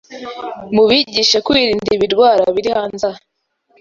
Mubigishe kwirinda ibirwara biri hanze aha